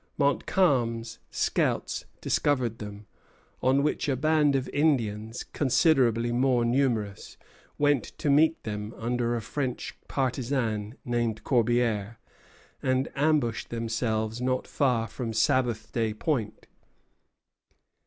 Montcalm's scouts discovered them; on which a band of Indians, considerably more numerous, went to meet them under a French partisan named Corbière, and ambushed themselves not far from Sabbath Day Point.